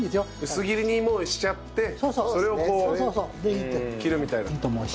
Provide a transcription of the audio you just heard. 薄切りにしちゃってそれをこう切るみたいな。